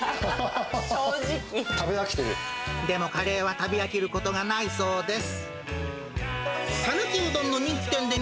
でもカレーは食べ飽きることがないそうです。